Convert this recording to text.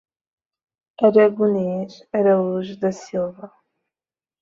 Aragones Araújo da Silva